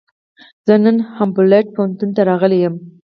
زه نن هامبولټ پوهنتون ته راغلی یم.